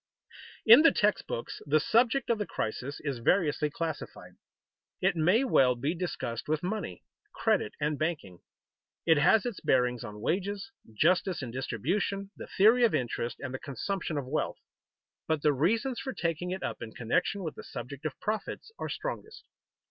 _ In the text books the subject of the crisis is variously classified. It may well be discussed with money, credit, and banking. It has its bearings on wages, justice in distribution, the theory of interest, and the consumption of wealth. But the reasons for taking it up in connection with the subject of profits are strongest.